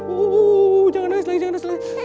wuuu jangan lagi jangan lagi